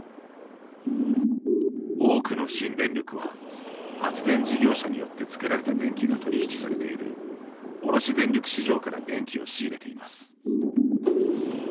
多くの新電力は、発電事業者によってつくられた電気が取引されている卸電力市場から電気を仕入れています。